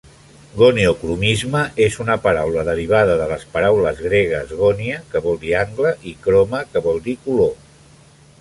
"Goniocromisme" és una paraula derivada de les paraules gregues "gonia", que vol dir "angle", i "chroma", que vol dir "color".